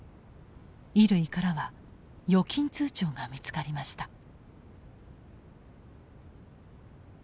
衣類からは預金通帳が見つかりました。